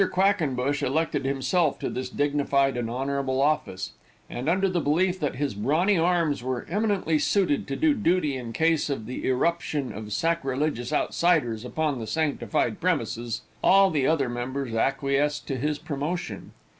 Quackenbush elected himself to this dignified and honorable office, and, under the belief that his brawny arms were eminently suited to do duty in case of the irruption of sacrilegious outsiders upon the sanctified premises, all the other members acquiesced in his promotion.